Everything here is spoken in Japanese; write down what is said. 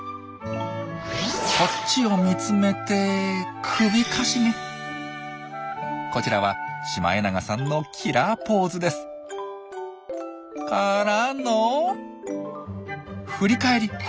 こっちを見つめてこちらはシマエナガさんのキラーポーズです。からの振り返り！